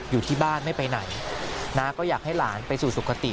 อยู่ที่บ้านไม่ไปไหนน้าก็อยากให้หลานไปสู่สุขติ